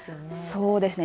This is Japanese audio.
そうですね。